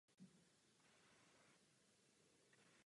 Stanice je koncová na trati.